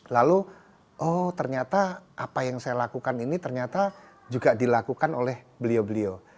lalu oh ternyata apa yang saya lakukan ini ternyata juga dilakukan oleh beliau beliau